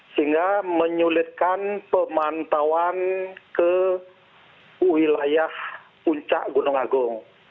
sehingga menyulitkan pemantauan ke wilayah puncak gunung agung